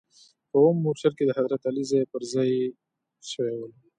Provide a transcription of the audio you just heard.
په اووم مورچل کې د حضرت علي ځاې پر ځا ې شوي ول.